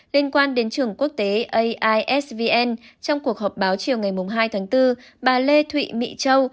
liên quan đến trường quốc tế aisvn trong cuộc họp báo chiều ngày hai tháng bốn bà lê thụy mỹ châu